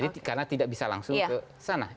nah karena tidak bisa langsung kesana